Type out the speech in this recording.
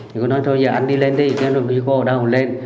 thì cô nói thôi giờ anh đi lên đi thế rồi cô ở đâu lên